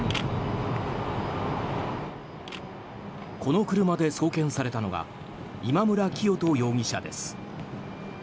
この車で送検されたのが今村磨人容疑者です。